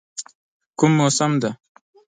کوم موسم دی؟